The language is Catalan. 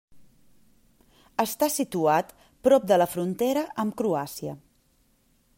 Està situat prop de la frontera amb Croàcia.